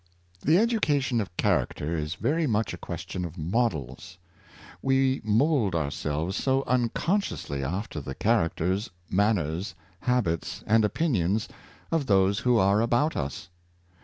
'" The education of character is very much a question of models ; we mould ourselves so unconsciously after the characters, manners, habits and opinions of those who are about us.